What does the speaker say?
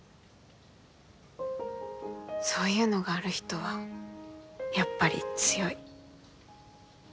そういうのがある人はやっぱり強い。